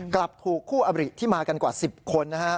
กลับถูกคู่อบริที่มากันกว่า๑๐คนนะฮะ